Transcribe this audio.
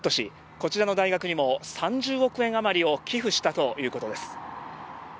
こちらの大学にも３０億円あまりを寄付したということです。